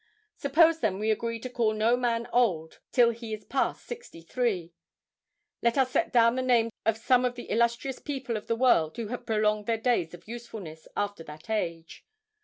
Suppose then we agree to call no man old till he is past sixty three. Let us set down the names of some of the illustrious people of the world who have prolonged their days of usefulness after that age.